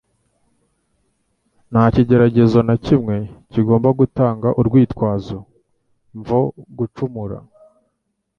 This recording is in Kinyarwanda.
Nta kigeragezo na kimwe kigomba gutanga urwitwazo mvo gucumura.